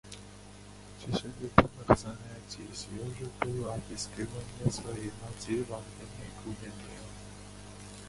В числе любимых занятий Сережи было отыскиванье своей матери во время гулянья.